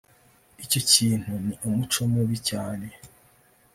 icyo kintu ni umuco mubi cyane